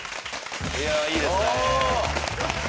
いやいいですね。